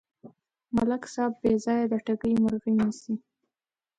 ملک صاحب بېځایه د ټګۍ مرغۍ نیسي.